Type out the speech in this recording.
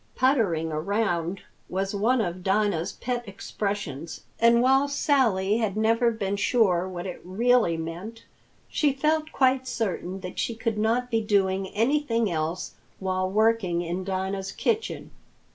"Puttering around" was one of Dinah's pet expressions, and while Sally had never been sure what it really meant, she felt quite certain that she could not be doing anything else while working in Dinah's kitchen.